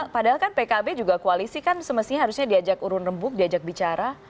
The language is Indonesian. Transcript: padahal kan pkb juga koalisi kan semestinya harusnya diajak urun rembuk diajak bicara